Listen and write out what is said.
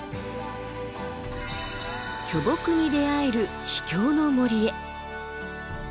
巨木に出会える秘境の森へ。